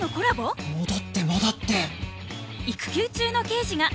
戻って戻って。